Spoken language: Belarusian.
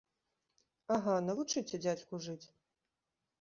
Ага, навучыце дзядзьку жыць!